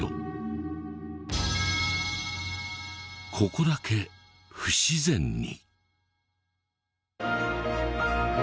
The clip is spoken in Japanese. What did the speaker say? ここだけ不自然に。